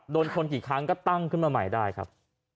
โดนคนกี่ครั้งก็ตั้งขึ้นมาใหม่ได้ครับ